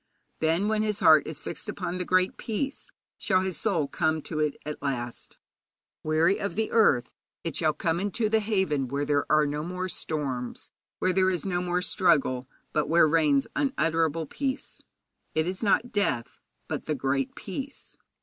Then, when his heart is fixed upon the Great Peace, shall his soul come to it at last. Weary of the earth, it shall come into the haven where there are no more storms, where there is no more struggle, but where reigns unutterable peace. It is not death, but the Great Peace.